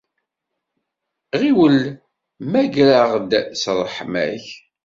Ɣiwel mmager-aɣ-d s ṛṛeḥma-k.